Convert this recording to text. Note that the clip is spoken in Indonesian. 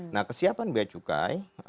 nah kesiapan bea dan cukai